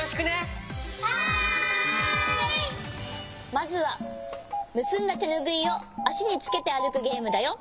まずはむすんだてぬぐいをあしにつけてあるくゲームだよ。